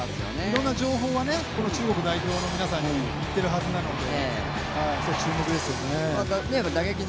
いろんな情報は中国代表の皆さんにいってるはずなので注目ですよね。